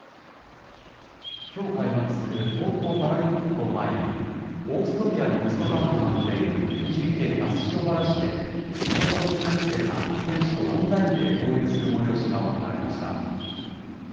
きょう開幕する東京パラリンピックを前に、オーストリアのホストタウンとなっている栃木県那須塩原市で、地元の中学生が選手とオンラインで交流する催しが行われました。